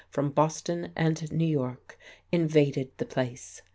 from Boston and New York invaded the place.